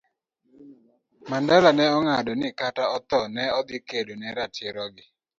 Mandela ne ong'ado ni, kata otho, ne odhi kedo ne ratiro gi